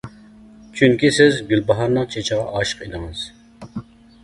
چۈنكى سىز گۈلباھارنىڭ چېچىغا ئاشىق ئىدىڭىز.